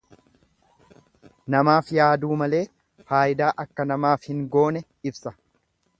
Namaaf yaaduu malee faayidaa akka namaaf hin goone ibsa.